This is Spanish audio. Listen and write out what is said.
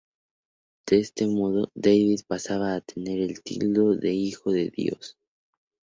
De este modo, David pasa a tener el título de Hijo de Dios.